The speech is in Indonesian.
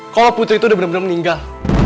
kalau putri itu udah bener bener meninggal